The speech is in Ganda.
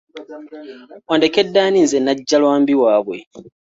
Ondekedde ani nze Nnajjalwambi waabwe?